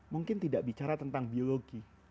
mungkin tidak bicara tentang biologi